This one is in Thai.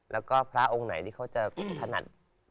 แล้วก็พระองค์ไหนที่เขาจะถนัด